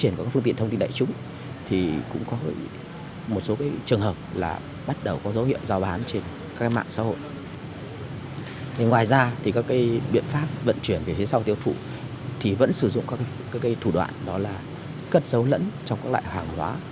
ngoài ra các biện pháp vận chuyển về thế sau tiêu thụ vẫn sử dụng các thủ đoạn cất giấu lẫn trong các loại hàng hóa